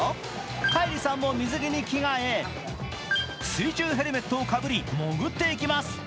カイリさんも水着に着替え、水中ヘルメットをかぶり潜っていきます。